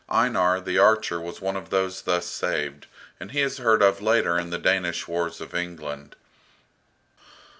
Einar, the archer, was one of those thus saved, and he is heard of later in the Danish wars of England.